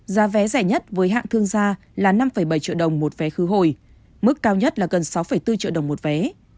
giá vé rẻ nhất với hạng thương gia là năm bảy triệu đồng một vé khứ hồi mức cao nhất là gần sáu bốn triệu đồng một vé